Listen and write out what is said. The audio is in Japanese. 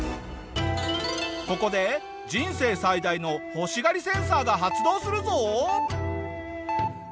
ここで人生最大の欲しがりセンサーが発動するぞ。